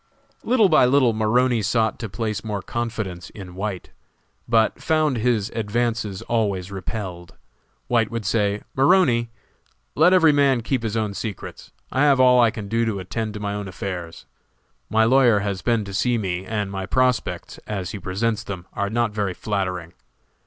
Little by little Maroney sought to place more confidence in White, but found his advances always repelled. White would say, "Maroney, let every man keep his own secrets, I have all I can do to attend to my own affairs. My lawyer has been to see me and my prospects, as he presents them, are not very flattering.